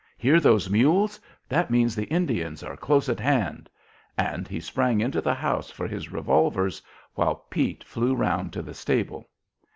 Hear those mules? That means the Indians are close at hand!" And he sprang into the house for his revolvers, while Pete flew round to the stable.